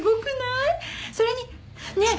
それにねえ